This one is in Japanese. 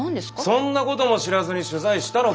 そんなことも知らずに取材したのか？